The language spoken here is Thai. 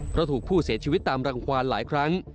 เพราะถูกผู้เสียชีวิตตามรังความหลายครั้ง